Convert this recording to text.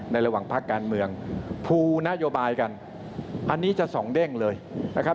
ระหว่างภาคการเมืองภูนโยบายกันอันนี้จะสองเด้งเลยนะครับ